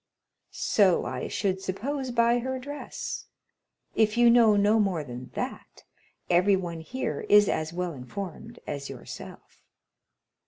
"So I should suppose by her dress; if you know no more than that, everyone here is as well informed as yourself."